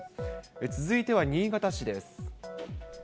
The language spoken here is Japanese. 続いては新潟市です。